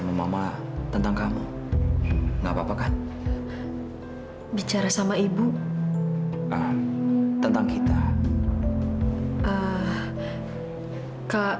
sampai jumpa di video selanjutnya